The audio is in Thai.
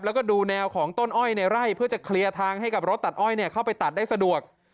แล้วก็ดูแนวของต้นอ้อยในไร่เพื่อจะเคลียร์ทางให้กับรถตัดอ้อยเข้าไปตัดได้สะดวก